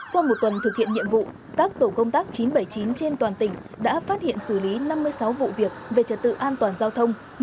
qua một tuần thực hiện nhiệm vụ các tổ công tác chín trăm bảy mươi chín trên toàn tỉnh đã phát hiện xử lý năm mươi sáu vụ việc về trật tự an toàn giao thông